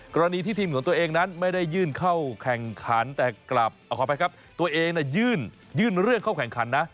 กรณีที่ทีมของตัวเองนั้นไม่ได้ยื่นเข้าแข่งขันแต่กลับขออภัยครับตัวเองยื่นเรื่องเข้าแข่งขันนะ